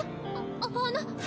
ああの。